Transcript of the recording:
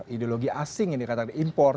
ideologi asing yang dikatakan impor